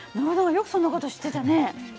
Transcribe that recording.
よくそんな事知ってたね。